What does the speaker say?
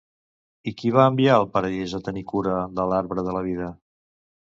I qui va enviar al Paradís a tenir cura de l'arbre de la vida?